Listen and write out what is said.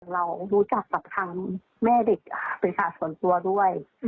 เรารู้จักกับทางแม่เด็กบริษัทส่วนตัวด้วย